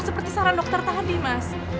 seperti saran dokter tadi mas